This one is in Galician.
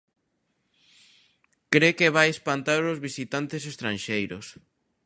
Cre que vai espantar os visitantes estranxeiros.